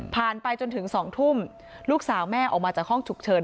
ไปจนถึง๒ทุ่มลูกสาวแม่ออกมาจากห้องฉุกเฉิน